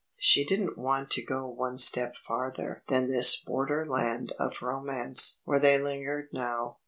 She didn't want to go one step farther than this borderland of romance where they lingered now.